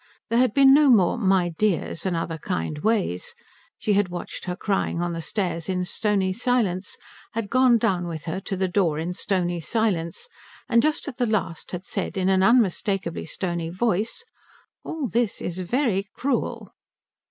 There had been no more My dears and other kind ways. She had watched her crying on the stairs in stony silence, had gone down with her to the door in stony silence, and just at the last had said in an unmistakably stony voice, "All this is very cruel."